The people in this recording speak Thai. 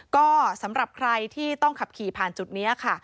ก็สำหรับใครที่ต้องขับขี่ผ่านจุดนี้ค่ะ